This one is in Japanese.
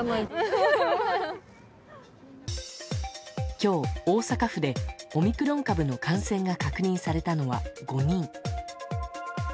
今日、大阪府でオミクロン株の感染が確認されたのは、５人。